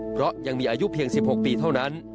เพราะยังมีอายุเพียง๑๖ปีเท่านั้น